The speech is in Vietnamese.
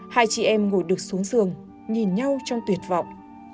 hai chị em ngồi được xuống giường nhìn nhau trong tuyệt vọng